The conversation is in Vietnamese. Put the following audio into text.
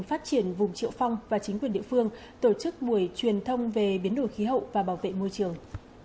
phát triển vùng triệu phong và chính quyền địa phương tổ chức buổi truyền thông về biến đổi khí hậu và bảo vệ môi trường